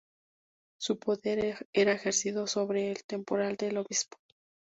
Su poder era ejercido sobre el temporal del obispo.